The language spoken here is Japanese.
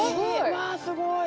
わあすごい。